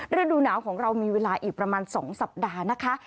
ฤดูหนาวของเรามีเวลาอีกประมาณ๒สัปดาห์นะคะ